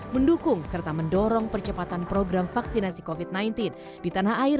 mendukung serta mendorong percepatan program vaksinasi covid sembilan belas di tanah air